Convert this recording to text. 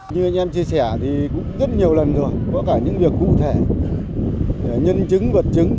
như anh em chia sẻ thì cũng rất nhiều lần rồi có cả những việc cụ thể nhân chứng vật chứng